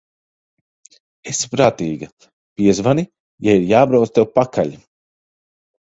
Esi prātīga, piezvani, ja ir jābrauc tev pakaļ.